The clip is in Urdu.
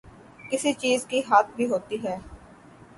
کسی چیز کی حد بھی ہوتی ہے۔